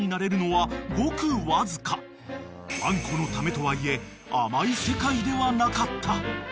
［ワンコのためとはいえ甘い世界ではなかった］